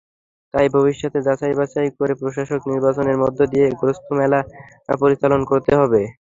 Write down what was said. তাই ভবিষ্যতে যাচাইবাছাই করে প্রকাশক নির্বাচনের মধ্য দিয়ে গ্রন্থমেলা পরিচালনা করতে হবে।